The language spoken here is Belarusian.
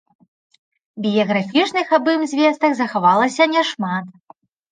Біяграфічных аб ім звестак захавалася няшмат.